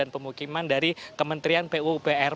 pemukiman dari kementerian pupr